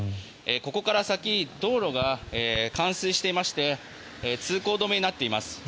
ここから先、道路が冠水していまして通行止めになっています。